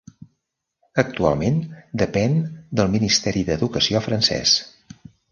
Actualment depèn del Ministeri de l'Educació francès.